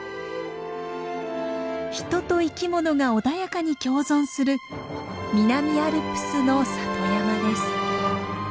人と生きものが穏やかに共存する南アルプスの里山です。